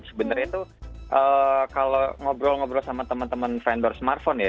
sebenarnya itu kalau ngobrol ngobrol sama teman teman vendor smartphone ya